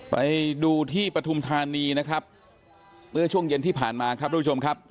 ไปดูที่ประธุมธารนีช่วงเย็นที่ผ่านมา